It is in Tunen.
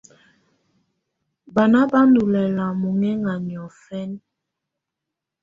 Banà bà ndù lɛla munɛna niɔ̀fɛna.